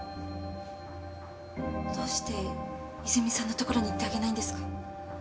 どうして泉さんのところに行ってあげないんですか？